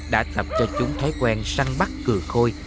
đã tập cho chúng thái quen săn bắt cửa khôi